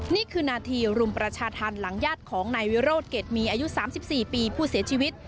นี่คือนาทีรุมประชาธรรมหลังญาติของนายวิโรธเกรดมีอายุ๓๔ปีผู้เสียชีวิต